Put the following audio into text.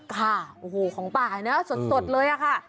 ค่ะโอ้โหของป่ายนะสดเลยอะค่ะ